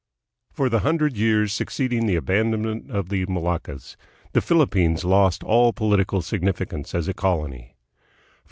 For the hundred years succeeding the abandonment of the Moluccas, the Philippines lost all political significance as a colony.